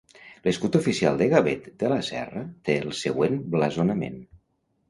L'escut oficial de Gavet de la Serra té el següent blasonament.